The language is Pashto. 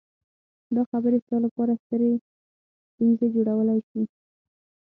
دا خبرې ستا لپاره سترې ستونزې جوړولی شي